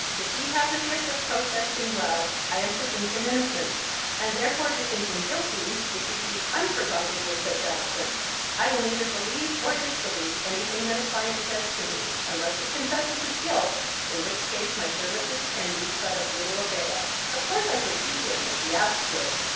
If he have the gift of protesting well, I am to think him innocent; and, therefore, to think him guilty, if he be unprovided with such eloquence! I will neither believe or disbelieve anything that a client says to me, unless he confess his guilt, in which case my services can be but of little avail. Of course I shall see him, as he asks it.